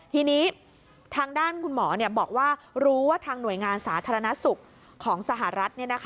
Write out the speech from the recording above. ทีนี้ทางด้านคุณหมอบอกว่ารู้ว่าทางหน่วยงานสาธารณสุขของสหรัฐ